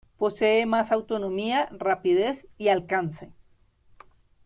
Posee más autonomía, rapidez y alcance.